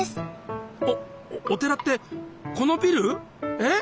おお寺ってこのビル？え？